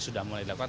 sudah mulai dilakukan